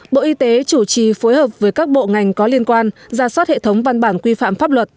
bộ y tế chủ trì phối hợp với các bộ ngành có liên quan ra soát hệ thống văn bản quy phạm pháp luật